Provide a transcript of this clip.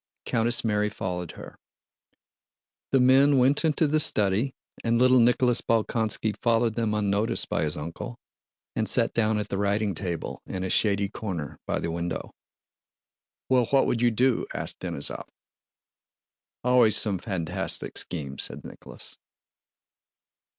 Countess Mary followed her. The men went into the study and little Nicholas Bolkónski followed them unnoticed by his uncle and sat down at the writing table in a shady corner by the window. "Well, what would you do?" asked Denísov. "Always some fantastic schemes," said Nicholas.